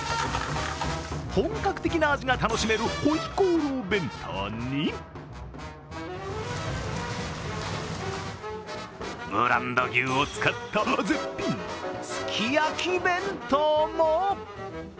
本格的な味が楽しめる回鍋肉弁当にブランド牛を使った絶品すき焼き弁当も。